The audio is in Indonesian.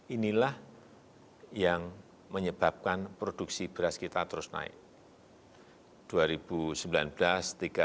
inilah yang menyebabkan produksi beras kita terus naik